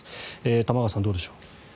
玉川さん、どうでしょう。